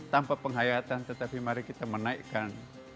tanpa penghayatan tetapi mari kita menaikkan